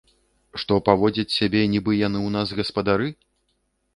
Што паводзяць сябе, нібы яны ў нас гаспадары?